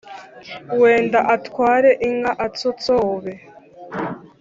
Wenda atware inka atsotsobe